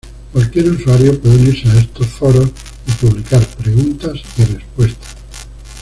Cualquier usuario puede unirse a estos foros y publicar preguntas y respuestas.